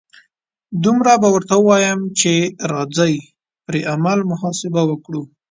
دومره به ورته ووایم چې راځئ پر عمل محاسبه وکړو.